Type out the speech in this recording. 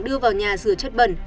đưa vào nhà rửa chất bẩn